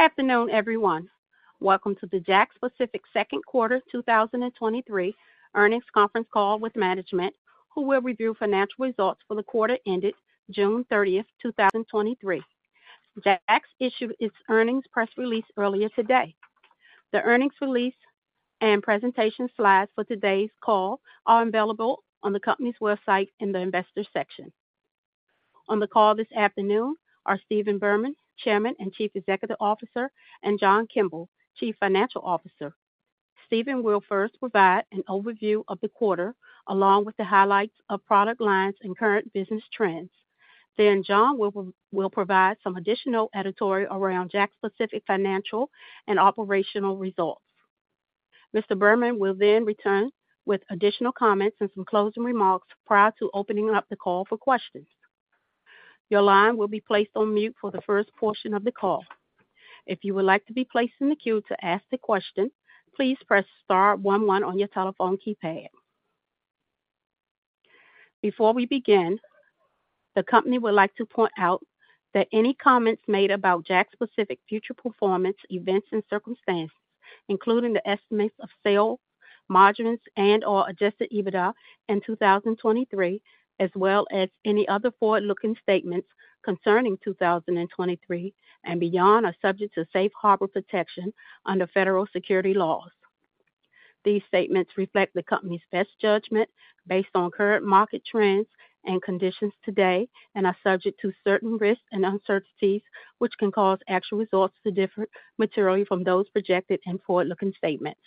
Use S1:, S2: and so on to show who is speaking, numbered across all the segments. S1: Good afternoon, everyone. Welcome to the JAKKS Pacific second quarter 2023 earnings conference call with management, who will review financial results for the quarter ended June 30, 2023. JAKKS issued its earnings press release earlier today. The earnings release and presentation slides for today's call are available on the company's website in the Investors section. On the call this afternoon are Stephen Berman, Chairman and Chief Executive Officer, and John Kimble, Chief Financial Officer. Stephen will first provide an overview of the quarter, along with the highlights of product lines and current business trends. John will provide some additional editorial around JAKKS Pacific financial and operational results. Mr. Berman will return with additional comments and some closing remarks prior to opening up the call for questions. Your line will be placed on mute for the first portion of the call. If you would like to be placed in the queue to ask the question, please press star 11 on your telephone keypad. Before we begin, the company would like to point out that any comments made about JAKKS Pacific future performance, events, and circumstances, including the estimates of sales, margins, and/or Adjusted EBITDA in 2023, as well as any other forward-looking statements concerning 2023 and beyond, are subject to safe harbor protection under federal security laws. These statements reflect the company's best judgment based on current market trends and conditions today, and are subject to certain risks and uncertainties, which can cause actual results to differ materially from those projected in forward-looking statements.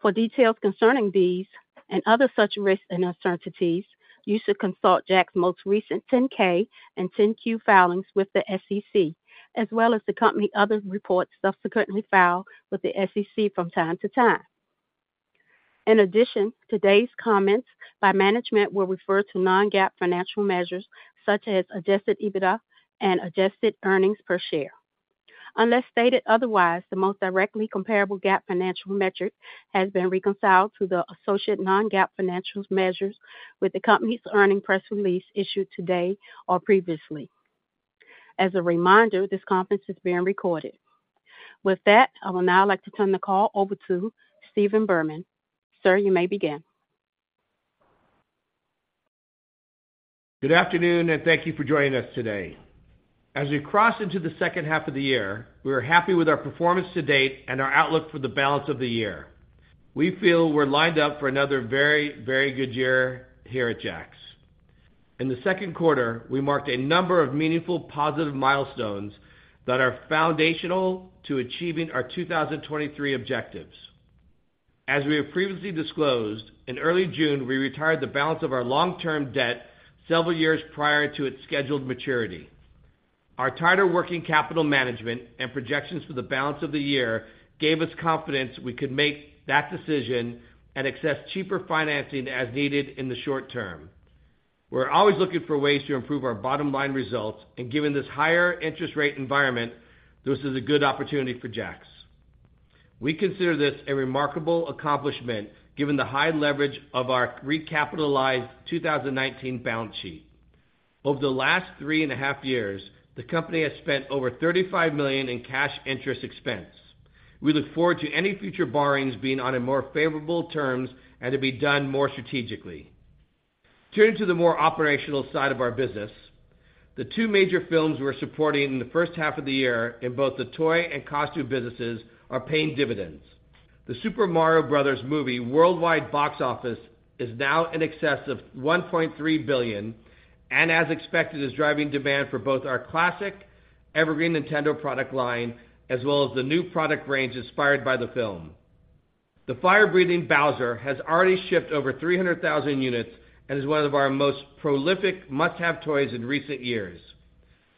S1: For details concerning these and other such risks and uncertainties, you should consult JAKKS's most recent 10-K and 10-Q filings with the SEC, as well as the company other reports subsequently filed with the SEC from time to time. In addition, today's comments by management will refer to non-GAAP financial measures such as Adjusted EBITDA and Adjusted Earnings per Share. Unless stated otherwise, the most directly comparable GAAP financial metric has been reconciled to the associate non-GAAP financial measures with the company's earnings press release issued today or previously. As a reminder, this conference is being recorded. With that, I would now like to turn the call over to Stephen Berman. Sir, you may begin.
S2: Thank you for joining us today. As we cross into the second half of the year, we are happy with our performance to date and our outlook for the balance of the year. We feel we're lined up for another very, very good year here at JAKKS. In the second quarter, we marked a number of meaningful positive milestones that are foundational to achieving our 2023 objectives. As we have previously disclosed, in early June, we retired the balance of our long-term debt several years prior to its scheduled maturity. Our tighter working capital management and projections for the balance of the year gave us confidence we could make that decision and access cheaper financing as needed in the short term. We're always looking for ways to improve our bottom line results, and given this higher interest rate environment, this is a good opportunity for JAKKS. We consider this a remarkable accomplishment, given the high leverage of our recapitalized 2019 balance sheet. Over the last three and a half years, the company has spent over $35 million in cash interest expense. We look forward to any future borrowings being on a more favorable terms and to be done more strategically. Turning to the more operational side of our business, the two major films we're supporting in the first half of the year in both the toy and costume businesses are paying dividends. The Super Mario Bros. Movie worldwide box office is now in excess of $1.3 billion and as expected, is driving demand for both our classic evergreen Nintendo product line, as well as the new product range inspired by the film. The Fire Breathing Bowser has already shipped over 300,000 units and is one of our most prolific must-have toys in recent years.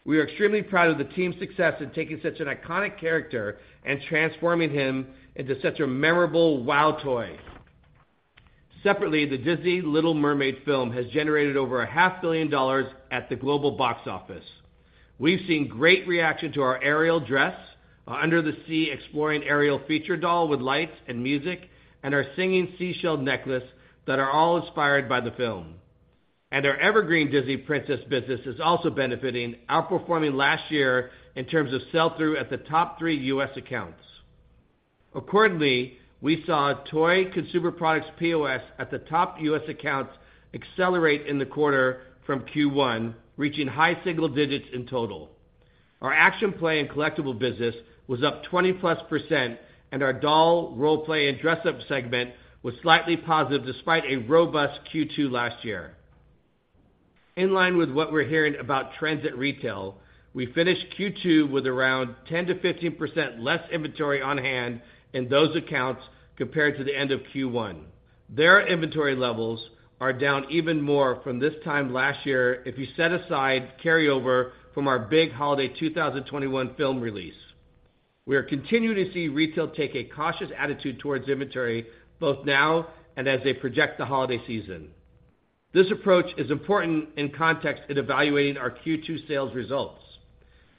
S2: We are extremely proud of the team's success in taking such an iconic character and transforming him into such a memorable wow toy. Separately, the Disney The Little Mermaid film has generated over $500 million at the global box office. We've seen great reaction to our Ariel dress, our Under the Sea Exploring Ariel feature doll with lights and music, and our Singing Seashell Necklace that are all inspired by the film. Our Evergreen Disney Princess business is also benefiting, outperforming last year in terms of sell-through at the top 3 US accounts. Accordingly, we saw toy consumer products POS at the top US accounts accelerate in the quarter from Q1, reaching high single digits in total. Our action play and collectible business was up +20%, and our doll, role play, and dress-up segment was slightly positive despite a robust Q2 last year. In line with what we're hearing about trends at retail, we finished Q2 with around 10% to 15% less inventory on hand in those accounts compared to the end of Q1. Their inventory levels are down even more from this time last year, if you set aside carryover from our big holiday 2021 film release. We are continuing to see retail take a cautious attitude towards inventory, both now and as they project the holiday season. This approach is important in context in evaluating our Q2 sales results.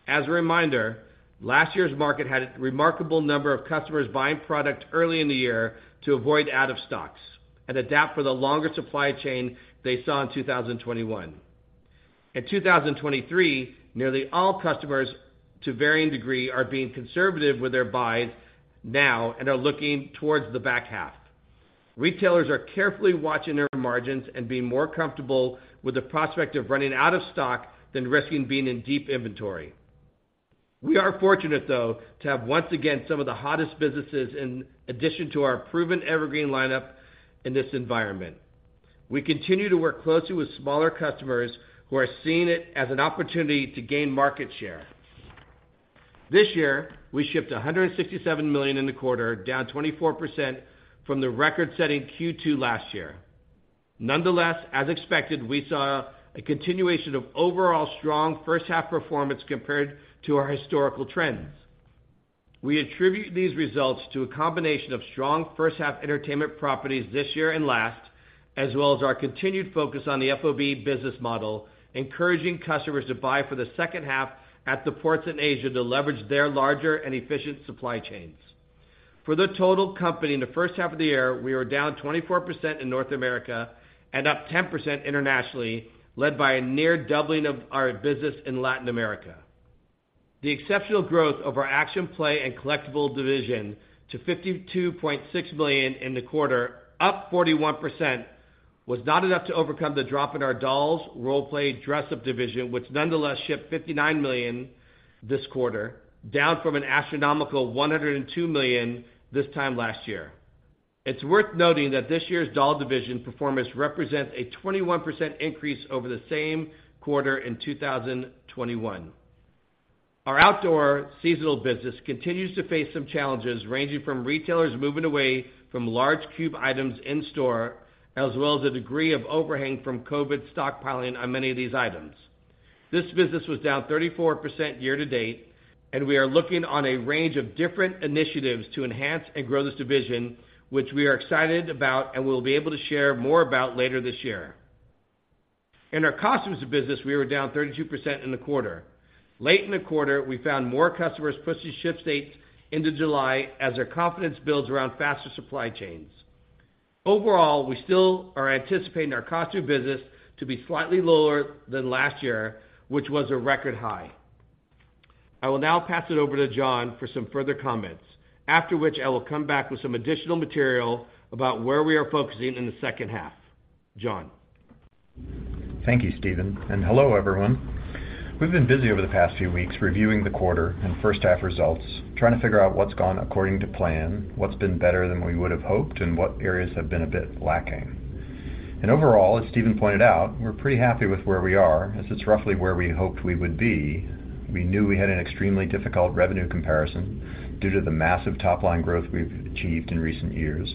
S2: As a reminder, last year's market had a remarkable number of customers buying product early in the year to avoid out-of-stocks and adapt for the longer supply chain they saw in 2021. In 2023, nearly all customers, to varying degree, are being conservative with their buys now and are looking towards the back half. Retailers are carefully watching their margins and being more comfortable with the prospect of running out of stock than risking being in deep inventory. We are fortunate, though, to have once again some of the hottest businesses in addition to our proven evergreen lineup in this environment. We continue to work closely with smaller customers who are seeing it as an opportunity to gain market share. This year, we shipped $167 million in the quarter, down 24% from the record-setting Q2 last year. Nonetheless, as expected, we saw a continuation of overall strong first half performance compared to our historical trends. We attribute these results to a combination of strong first half entertainment properties this year and last, as well as our continued focus on the FOB business model, encouraging customers to buy for the second half at the ports in Asia to leverage their larger and efficient supply chains. For the total company, in the first half of the year, we were down 24% in North America and up 10% internationally, led by a near doubling of our business in Latin America. The exceptional growth of our action play and collectible division to $52.6 million in the quarter, up 41%, was not enough to overcome the drop in our dolls, role play, dress-up division, which nonetheless shipped $59 million this quarter, down from an astronomical $102 million this time last year. It's worth noting that this year's doll division performance represents a 21 increase over the same quarter in 2021. Our outdoor seasonal business continues to face some challenges, ranging from retailers moving away from large cube items in store, as well as a degree of overhang from COVID stockpiling on many of these items. This business was down 34% year to date. We are looking on a range of different initiatives to enhance and grow this division, which we are excited about and we'll be able to share more about later this year. In our costumes business, we were down 32% in the quarter. Late in the quarter, we found more customers pushing ship dates into July as their confidence builds around faster supply chains. Overall, we still are anticipating our costume business to be slightly lower than last year, which was a record high. I will now pass it over to John for some further comments, after which I will come back with some additional material about where we are focusing in the second half. John?
S3: Thank you, Stephen, and hello, everyone. We've been busy over the past few weeks reviewing the quarter and first half results, trying to figure out what's gone according to plan, what's been better than we would have hoped, and what areas have been a bit lacking. Overall, as Stephen pointed out, we're pretty happy with where we are, as it's roughly where we hoped we would be. We knew we had an extremely difficult revenue comparison due to the massive top-line growth we've achieved in recent years.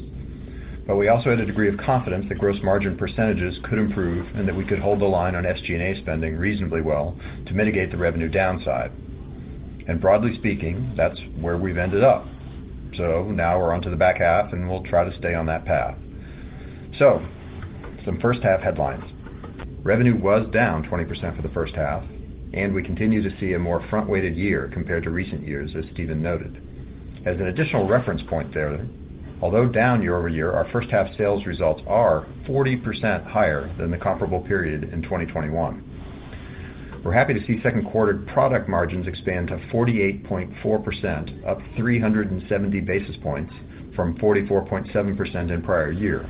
S3: We also had a degree of confidence that gross margin % could improve and that we could hold the line on SG&A spending reasonably well to mitigate the revenue downside. Broadly speaking, that's where we've ended up. Now we're on to the back half, and we'll try to stay on that path. Some first half headlines. Revenue was down 20% for the first half, and we continue to see a more front-weighted year compared to recent years, as Stephen noted. As an additional reference point there, although down year-over-year, our first half sales results are 40% higher than the comparable period in 2021. We're happy to see second quarter product margins expand to 48.4%, up 370 basis points from 44.7 in prior year.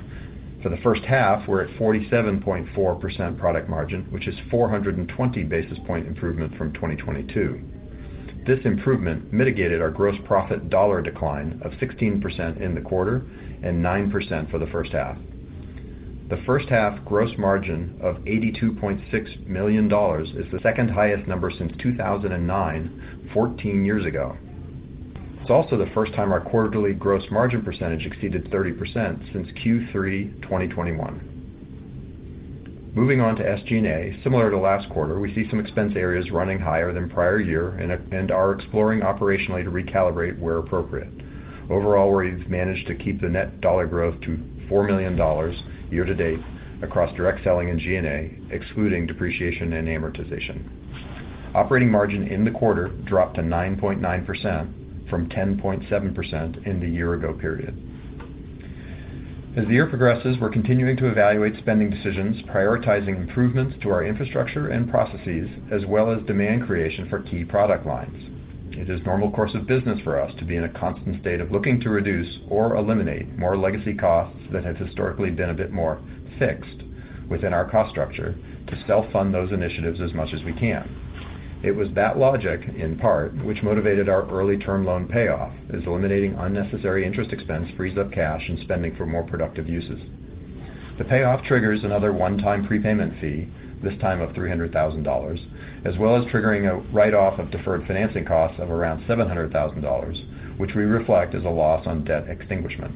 S3: For the first half, we're at 47.4% product margin, which is 420 basis point improvement from 2022. This improvement mitigated our gross profit dollar decline of 16% in the quarter and 9% for the first half. The first half gross margin of $82.6 million is the second highest number since 2009, 14 years ago. It's also the first time our quarterly gross margin percentage exceeded 30% since Q3 2021. Moving on to SG&A. Similar to last quarter, we see some expense areas running higher than prior year and are exploring operationally to recalibrate where appropriate. Overall, we've managed to keep the net dollar growth to $4 million year to date across direct selling and G&A, excluding depreciation and amortization. Operating margin in the quarter dropped to 9.9% from 10.7% in the year ago period. As the year progresses, we're continuing to evaluate spending decisions, prioritizing improvements to our infrastructure and processes, as well as demand creation for key product lines. It is normal course of business for us to be in a constant state of looking to reduce or eliminate more legacy costs that have historically been a bit more fixed within our cost structure, to self-fund those initiatives as much as we can. It was that logic, in part, which motivated our early term loan payoff, as eliminating unnecessary interest expense frees up cash and spending for more productive uses. The payoff triggers another one-time prepayment fee, this time of $300,000, as well as triggering a write-off of deferred financing costs of around $700,000, which we reflect as a loss on debt extinguishment.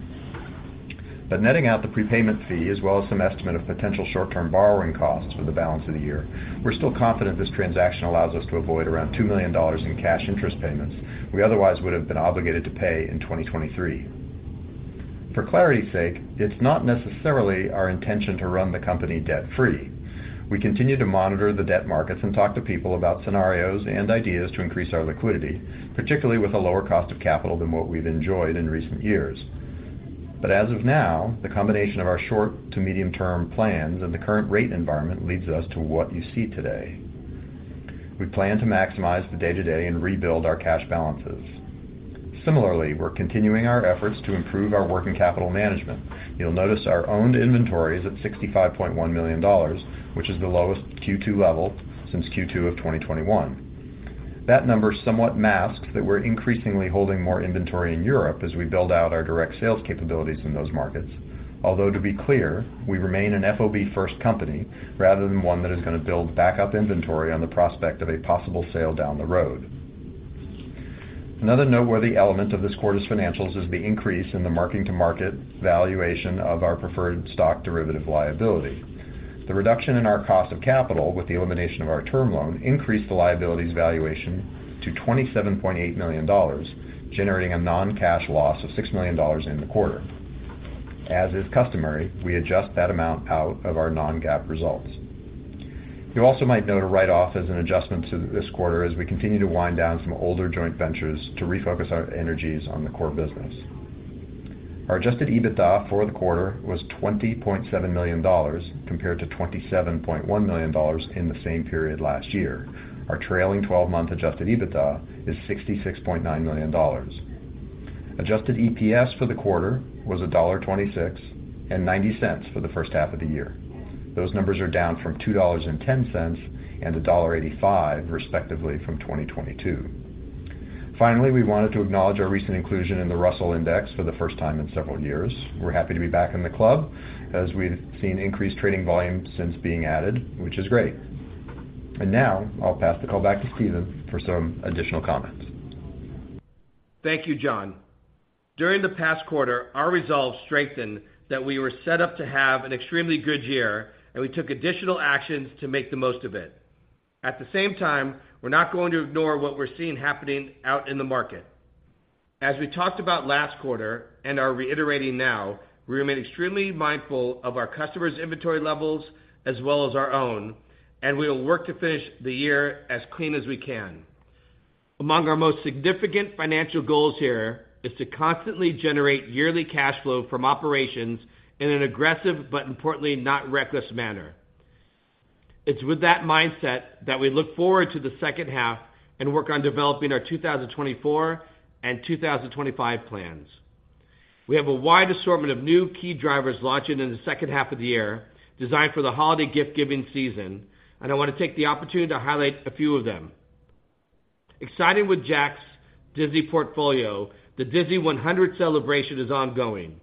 S3: Netting out the prepayment fee, as well as some estimate of potential short-term borrowing costs for the balance of the year, we're still confident this transaction allows us to avoid around $2 million in cash interest payments we otherwise would have been obligated to pay in 2023. For clarity's sake, it's not necessarily our intention to run the company debt-free. We continue to monitor the debt markets and talk to people about scenarios and ideas to increase our liquidity, particularly with a lower cost of capital than what we've enjoyed in recent years. As of now, the combination of our short to medium-term plans and the current rate environment leads us to what you see today. We plan to maximize the day-to-day and rebuild our cash balances. Similarly, we're continuing our efforts to improve our working capital management. You'll notice our owned inventory is at $65.1 million, which is the lowest Q2 level since Q2 of 2021. That number somewhat masks that we're increasingly holding more inventory in Europe as we build out our direct sales capabilities in those markets. Although, to be clear, we remain an FOB-first company rather than one that is gonna build backup inventory on the prospect of a possible sale down the road. Another noteworthy element of this quarter's financials is the increase in the marking-to-market valuation of our preferred stock derivative liability. The reduction in our cost of capital, with the elimination of our term loan, increased the liability's valuation to $27.8 million, generating a non-cash loss of $6 million in the quarter. As is customary, we adjust that amount out of our non-GAAP results. You also might note a write-off as an adjustment to this quarter as we continue to wind down some older joint ventures to refocus our energies on the core business. Our Adjusted EBITDA for the quarter was $20.7 million, compared to $27.1 million in the same period last year. Our trailing twelve-month Adjusted EBITDA is $66.9 million. Adjusted EPS for the quarter was $1.26, and $0.90 for the first half of the year. Those numbers are down from $2.10 and $1.85, respectively, from 2022. Finally, we wanted to acknowledge our recent inclusion in the Russell Index for the first time in several years. We're happy to be back in the club, as we've seen increased trading volume since being added, which is great. Now I'll pass the call back to Stephen for some additional comments,
S2: Thank you, John. During the past quarter, our resolve strengthened that we were set up to have an extremely good year, and we took additional actions to make the most of it. At the same time, we're not going to ignore what we're seeing happening out in the market. As we talked about last quarter and are reiterating now, we remain extremely mindful of our customers' inventory levels as well as our own, and we will work to finish the year as clean as we can. Among our most significant financial goals here is to constantly generate yearly cash flow from operations in an aggressive, but importantly, not reckless manner. It's with that mindset that we look forward to the second half and work on developing our 2024 and 2025 plans. We have a wide assortment of new key drivers launching in the second half of the year, designed for the holiday gift-giving season. I want to take the opportunity to highlight a few of them. Exciting with JAKKS' Disney portfolio, the Disney 100 celebration is ongoing.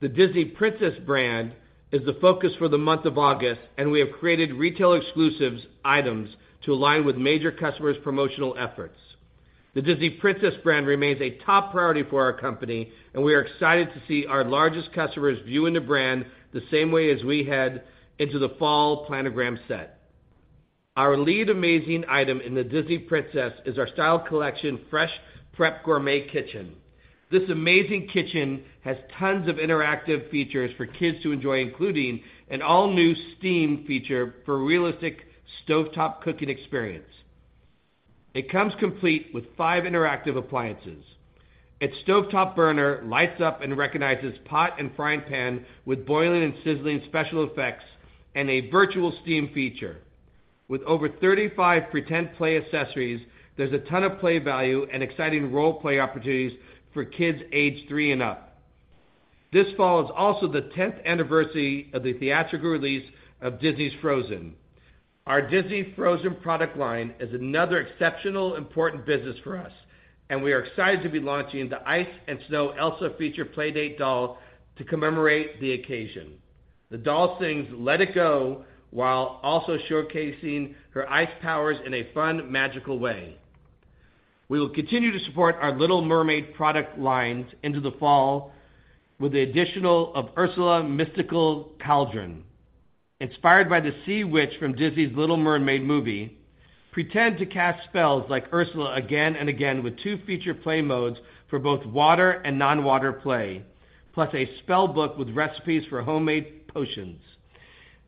S2: The Disney Princess brand is the focus for the month of August. We have created retail exclusives items to align with major customers' promotional efforts. The Disney Princess brand remains a top priority for our company. We are excited to see our largest customers viewing the brand the same way as we head into the fall planogram set. Our lead amazing item in the Disney Princess is our Style Collection Fresh Prep Gourmet Kitchen. This amazing kitchen has tons of interactive features for kids to enjoy, including an all-new steam feature for realistic stovetop cooking experience. It comes complete with five interactive appliances. Its stovetop burner lights up and recognizes pot and frying pan with boiling and sizzling special effects, and a virtual steam feature. With over 35 pretend play accessories, there's a ton of play value and exciting role-play opportunities for kids aged three and up. This fall is also the 10th anniversary of the theatrical release of Disney's Frozen. Our Disney Frozen product line is another exceptional, important business for us, and we are excited to be launching the Ice & Snow Singing Playdate Elsa to commemorate the occasion. The doll sings Let It Go, while also showcasing her ice powers in a fun, magical way. We will continue to support our Little Mermaid product lines into the fall with the additional of Ursula's Mystical Cauldron. Inspired by the sea witch from Disney's The Little Mermaid movie, pretend to cast spells like Ursula again and again, with two feature play modes for both water and non-water play, plus a spell book with recipes for homemade potions.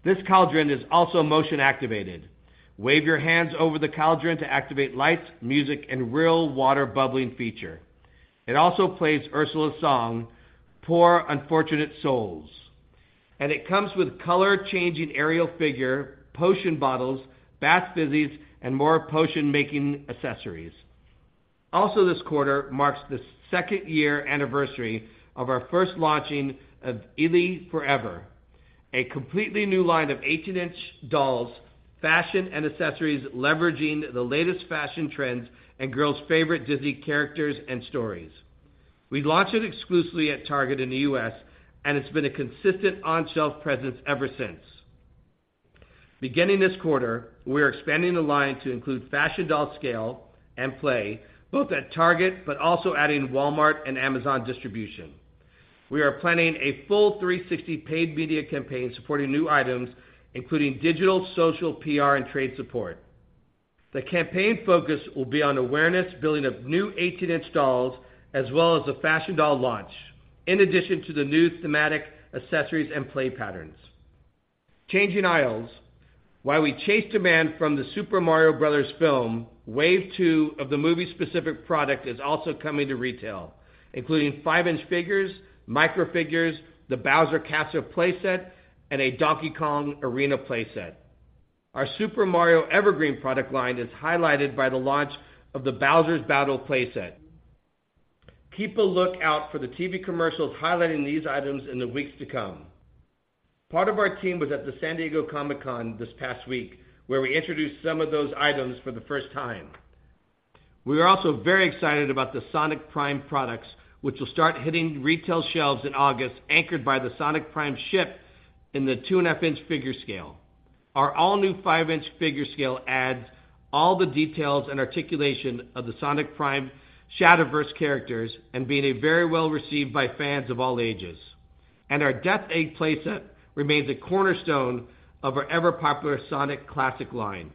S2: This cauldron is also motion-activated. Wave your hands over the cauldron to activate lights, music, and real water bubbling feature. It also plays Ursula's song, Poor Unfortunate Souls, and it comes with color-changing Ariel figure, potion bottles, bath fizzies, and more potion-making accessories. Also, this quarter marks the second year anniversary of our first launching of Disney ily 4EVER, a completely new line of 18-inch dolls, fashion, and accessories, leveraging the latest fashion trends and girls' favorite Disney characters and stories. We launched it exclusively at Target in the US, and it's been a consistent on-shelf presence ever since. Beginning this quarter, we are expanding the line to include fashion doll scale and play, both at Target, but also adding Walmart and Amazon distribution. We are planning a full 360 paid media campaign supporting new items, including digital, social, PR, and trade support. The campaign focus will be on awareness, building of new 18-inch dolls, as well as the fashion doll launch, in addition to the new thematic accessories and play patterns. Changing aisles. While we chase demand from The Super Mario Bros. Movie, wave two of the movie specific product is also coming to retail, including 5-inch figures, micro figures, the Bowser Castle playset, and a Donkey Kong Stadium playset. Our Super Mario evergreen product line is highlighted by the launch of the Bowser's Battle playset. Keep a look out for the TV commercials highlighting these items in the weeks to come. Part of our team was at the San Diego Comic-Con this past week, where we introduced some of those items for the first time. We are also very excited about the Sonic Prime products, which will start hitting retail shelves in August, anchored by the Sonic Prime ship in the 2.5-inch figure scale. Our all-new 5-inch figure scale adds all the details and articulation of the Sonic Prime Shatterverse characters and being a very well received by fans of all ages. Our Death Egg playset remains a cornerstone of our ever-popular Sonic Classic line.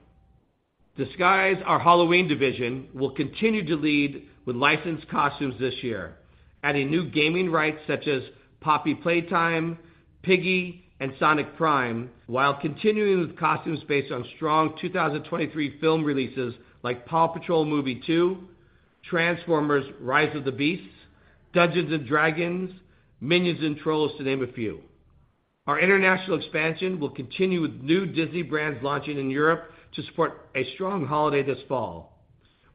S2: Disguise, our Halloween division, will continue to lead with licensed costumes this year, adding new gaming rights such as Poppy Playtime, Piggy, and Sonic Prime, while continuing with costumes based on strong 2023 film releases like PAW Patrol Movie Two, Transformers: Rise of the Beasts, Dungeons and Dragons, Minions and Trolls, to name a few. Our international expansion will continue with new Disney brands launching in Europe to support a strong holiday this fall.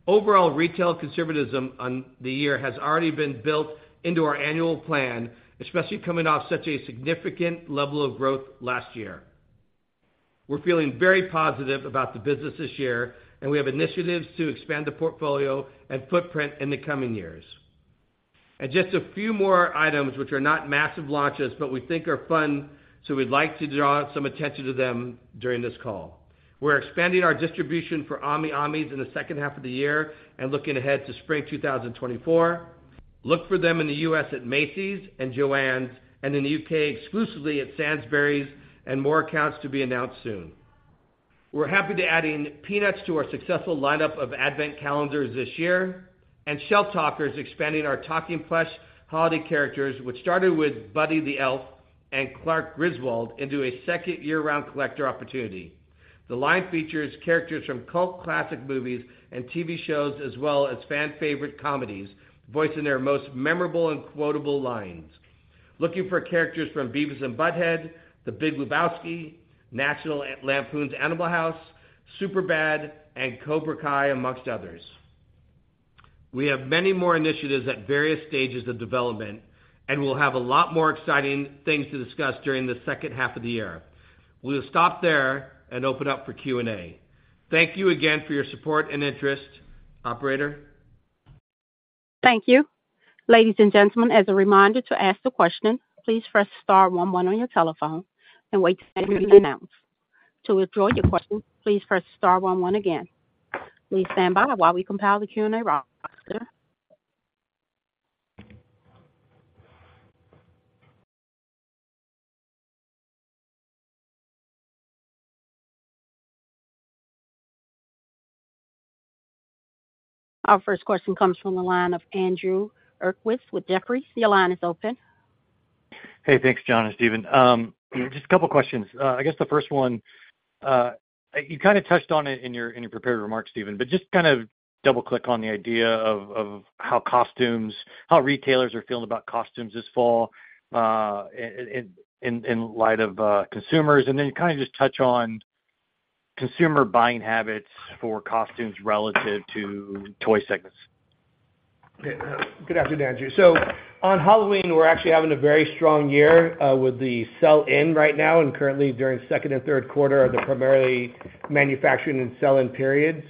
S2: Overall, retail conservatism on the year has already been built into our annual plan, especially coming off such a significant level of growth last year. We're feeling very positive about the business this year, and we have initiatives to expand the portfolio and footprint in the coming years. Just a few more items, which are not massive launches, but we think are fun, so we'd like to draw some attention to them during this call. We're expanding our distribution for Ami Amis in the second half of the year and looking ahead to spring 2024. Look for them in the US at Macy's and JOANN, and in the UK, exclusively at Sainsbury's and more accounts to be announced soon. We're happy to adding Peanuts to our successful lineup of advent calendars this year, and Shelf Talkers expanding our talking plush holiday characters, which started with Buddy the Elf and Clark Griswold, into a second year-round collector opportunity. The line features characters from cult classic movies and TV shows, as well as fan favorite comedies, voicing their most memorable and quotable lines. Looking for characters from Beavis and Butt-Head, The Big Lebowski, National Lampoon's Animal House, Superbad, and Cobra Kai, amongst others. We have many more initiatives at various stages of development, and we'll have a lot more exciting things to discuss during the second half of the year. We'll stop there and open up for Q&A. Thank you again for your support and interest. Operator?
S1: Thank you. Ladies and gentlemen, as a reminder to ask the question, please press star one one on your telephone and wait to be announced. To withdraw your question, please press star one one again. Please stand by while we compile the Q&A roster. Our first question comes from the line of Andrew Uerkwitz with Jefferies. Your line is open.
S4: Hey, thanks, John and Stephen. Just a couple of questions. I guess the first one, you kind of touched on it in your, in your prepared remarks, Stephen, but just kind of double-click on the idea of, of how costumes-- how retailers are feeling about costumes this fall, in light of consumers. Then kind of just touch on consumer buying habits for costumes relative to toy segments.
S2: Good afternoon, Andrew. On Halloween, we're actually having a very strong year, with the sell-in right now, and currently during second and third quarter are the primarily manufacturing and sell-in periods.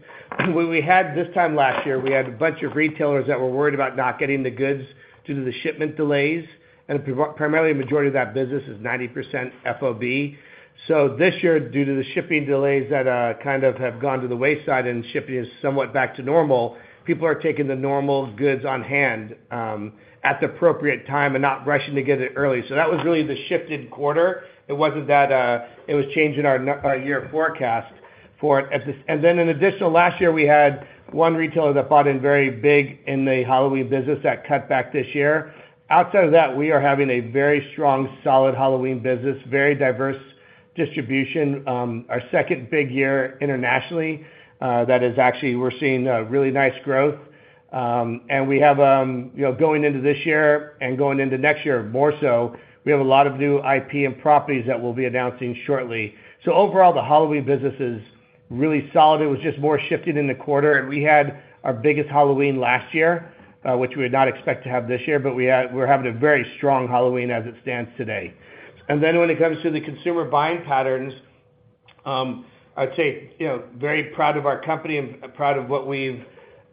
S2: When we had this time last year, we had a bunch of retailers that were worried about not getting the goods due to the shipment delays, and primarily, a majority of that business is 90% FOB. This year, due to the shipping delays that kind of have gone to the wayside and shipping is somewhat back to normal, people are taking the normal goods on hand, at the appropriate time and not rushing to get it early. That was really the shifted quarter. It wasn't that it was changing our year forecast for it. In additional, last year, we had one retailer that bought in very big in the Halloween business that cut back this year. Outside of that, we are having a very strong, solid Halloween business, very diverse distribution. Our second big year internationally, that is actually we're seeing really nice growth. We have, you know, going into this year and going into next year, more so, we have a lot of new IP and properties that we'll be announcing shortly. Overall, the Halloween business is really solid. It was just more shifted in the quarter, and we had our biggest Halloween last year, which we would not expect to have this year, but we're having a very strong Halloween as it stands today. When it comes to the consumer buying patterns, I'd say, you know, very proud of our company and proud of what we've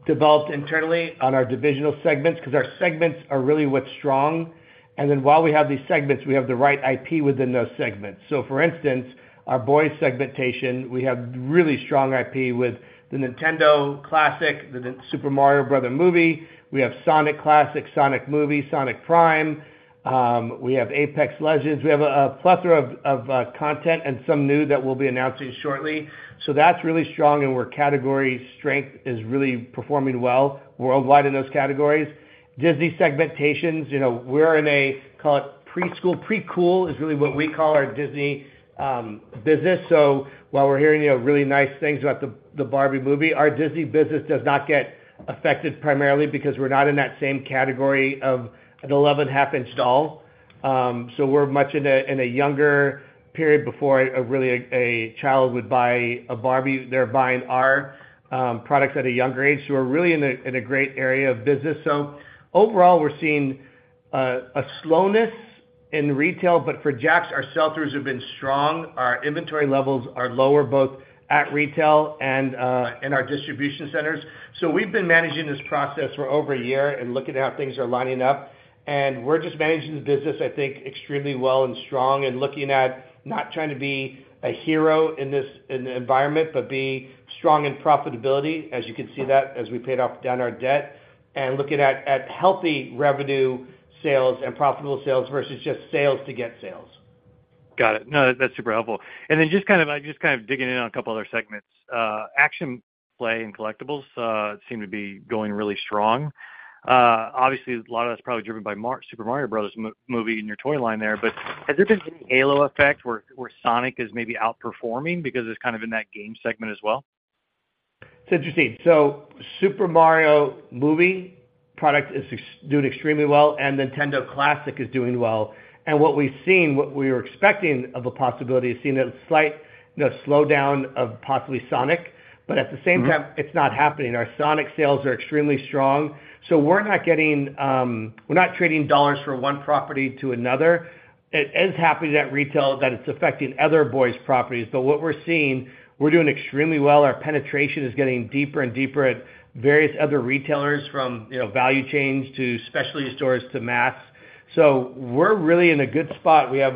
S2: developed internally on our divisional segments, because our segments are really what's strong. While we have these segments, we have the right IP within those segments. For instance, our boys segmentation, we have really strong IP with the Nintendo Classic, The Super Mario Bros. Movie, we have Sonic Classic, Sonic Movie, Sonic Prime, we have Apex Legends. We have a, a plethora of, of, content and some new that we'll be announcing shortly. That's really strong and where category strength is really performing well worldwide in those categories. Disney segmentations, you know, we're in a, call it preschool. Pre-cool is really what we call our Disney business. While we're hearing, you know, really nice things about the Barbie movie, our Disney business does not get affected primarily because we're not in that same category of an 11.5-inch doll. We're much in a younger period before a child would buy a Barbie, they're buying our products at a younger age. We're really in a great area of business. Overall, we're seeing a slowness in retail, but for JAKKS, our sell-throughs have been strong. Our inventory levels are lower, both at retail and in our distribution centers. We've been managing this process for over 1 year and looking at how things are lining up, and we're just managing the business, I think, extremely well and strong and looking at not trying to be a hero in the environment, but be strong in profitability, as you can see that as we paid off down our debt, and looking at healthy revenue sales and profitable sales versus just sales to get sales.
S4: Got it. No, that's super helpful. Just kind of digging in on a couple other segments. Action, play, and collectibles, seem to be going really strong. Obviously, a lot of that's probably driven by The Super Mario Bros. Movie and your toy line there. Has there been any halo effect where, where Sonic is maybe outperforming because it's kind of in that game segment as well?
S2: It's interesting. Super Mario Movie product is doing extremely well, and Nintendo Classic is doing well. What we've seen, what we were expecting of a possibility, is seeing a slight, you know, slowdown of possibly Sonic. At the same time, it's not happening. Our Sonic sales are extremely strong, so we're not getting, we're not trading dollars from one property to another. It is happening at retail that it's affecting other boys' properties, but what we're seeing, we're doing extremely well. Our penetration is getting deeper and deeper at various other retailers from, you know, value chains to specialty stores to mass. We're really in a good spot. We have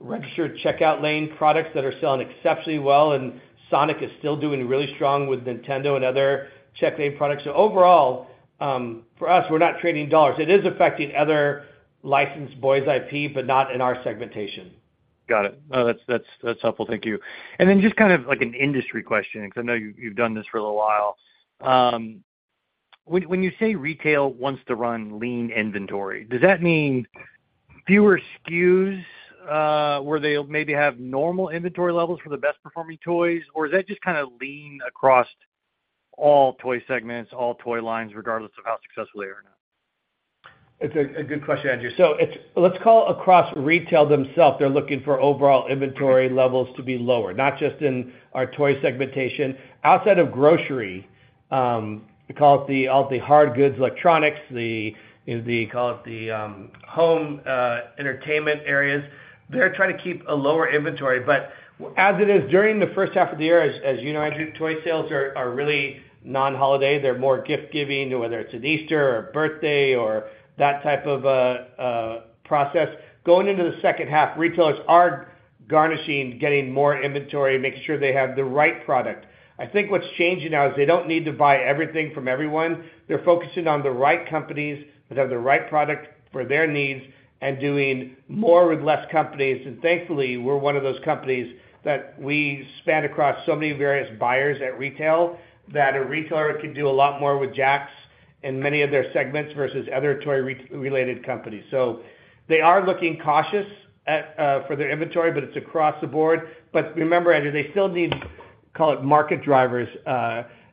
S2: registered checkout lane products that are selling exceptionally well, and Sonic is still doing really strong with Nintendo and other check lane products. Overall, for us, we're not trading dollars. It is affecting other licensed boys IP, but not in our segmentation.
S4: Got it. No, that's, that's, that's helpful. Thank you. Then just kind of like an industry question, because I know you've, you've done this for a little while. When, when you say retail wants to run lean inventory, does that mean fewer SKUs, where they'll maybe have normal inventory levels for the best-performing toys, or is that just kinda lean across all toy segments, all toy lines, regardless of how successful they are or not?
S2: It's a, a good question, Andrew. Let's call across retail themselves, they're looking for overall inventory levels to be lower, not just in our toy segmentation. Outside of grocery, we call it the, all the hard goods, electronics, the, call it the, home entertainment areas. They're trying to keep a lower inventory. As it is, during the first half of the year, Andrew, toy sales are, are really non-holiday. They're more gift-giving, whether it's an Easter or a birthday or that type of a, a process. Going into the second half, retailers are garnishing, getting more inventory, making sure they have the right product. I think what's changing now is they don't need to buy everything from everyone. They're focusing on the right companies that have the right product for their needs and doing more with less companies. Thankfully, we're one of those companies that we span across so many various buyers at retail, that a retailer can do a lot more with JAKKS in many of their segments versus other toy related companies. They are looking cautious at for their inventory, but it's across the board. Remember, Andrew, they still need, call it, market drivers,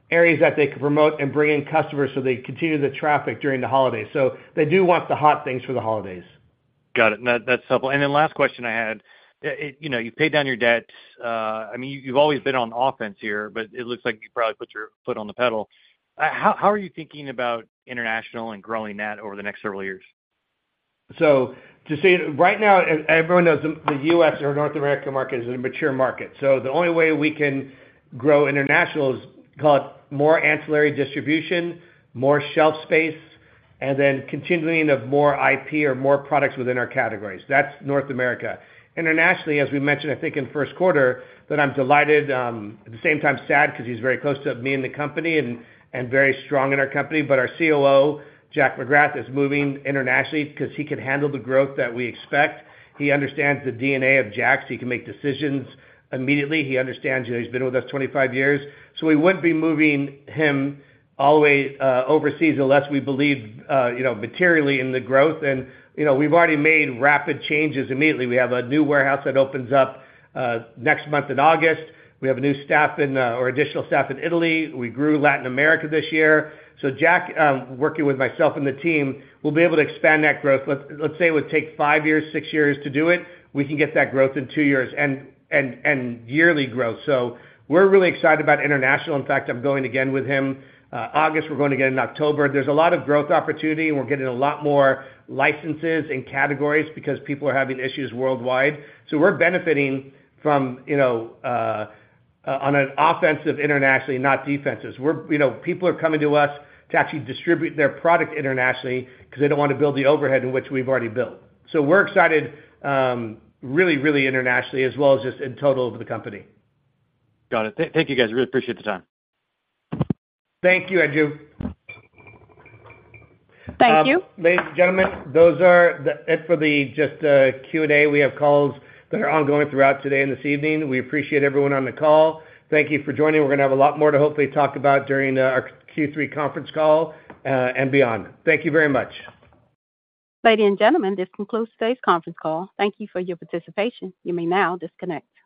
S2: areas that they can promote and bring in customers so they continue the traffic during the holidays. They do want the hot things for the holidays.
S4: Got it. That, that's helpful. Then last question I had, you know, you've paid down your debt. I mean, you've always been on offense here, but it looks like you probably put your foot on the pedal. How, how are you thinking about international and growing that over the next several years?
S2: To say, right now, everyone knows the, the US or North America market is a mature market, so the only way we can grow international is, call it, more ancillary distribution, more shelf space, and then continuing of more IP or more products within our categories. That's North America. Internationally, as we mentioned, I think in the first quarter, that I'm delighted, at the same time sad, because he's very close to me and the company and, and very strong in our company, but our COO, Jack McGrath, is moving internationally because he can handle the growth that we expect. He understands the DNA of JAKKS. He can make decisions immediately. He understands. You know, he's been with us 25 years, so we wouldn't be moving him all the way overseas unless we believe, you know, materially in the growth. You know, we've already made rapid changes immediately. We have a new warehouse that opens up next month in August. We have a new staff in, or additional staff in Italy. We grew Latin America this year. Jack, working with myself and the team, will be able to expand that growth. Let's, let's say it would take 5 years, 6 years to do it. We can get that growth in 2 years and, and, and yearly growth. We're really excited about international. In fact, I'm going again with him August. We're going again in October. There's a lot of growth opportunity, and we're getting a lot more licenses and categories because people are having issues worldwide. We're benefiting from, you know, on an offensive internationally, not defensive. We're, you know, people are coming to us to actually distribute their product internationally because they don't want to build the overhead in which we've already built. We're excited, really, really internationally, as well as just in total of the company.
S4: Got it. Thank you, guys. Really appreciate the time.
S2: Thank you, Andrew.
S1: Thank you.
S2: Ladies and gentlemen, those are it for the Q&A. We have calls that are ongoing throughout today and this evening. We appreciate everyone on the call. Thank you for joining. We're going to have a lot more to hopefully talk about during our Q3 conference call and beyond. Thank you very much.
S1: Ladies and gentlemen, this concludes today's conference call. Thank you for your participation. You may now disconnect.